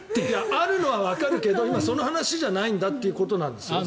あるのはわかるけど今、その話じゃないってことなんです。